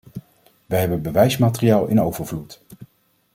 Wij hebben bewijsmateriaal in overvloed.